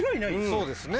そうですね。